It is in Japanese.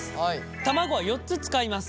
卵は４つ使います。